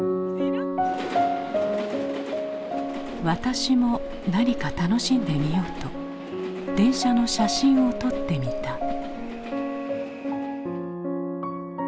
私も何か楽しんでみようと電車の写真を撮ってみた。